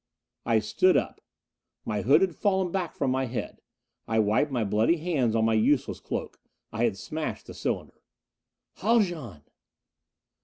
I stood up. My hood had fallen back from my head. I wiped my bloody hands on my useless cloak. I had smashed the cylinder. "Haljan!"